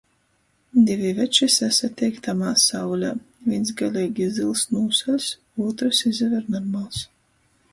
Divi veči sasateik tamā saulē. Vīns galeigi zyls, nūsaļs, ūtrs izaver normals.